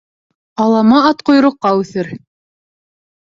Алама ат ҡойроҡҡа үҫер.